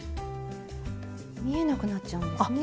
見えなくなっちゃうんですね。